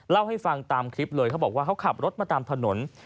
เล่าให้ฟังตามคลิปเลยเขาบอกว่าเขาขับรถมาตามถนน